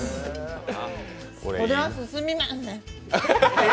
これは進みますね。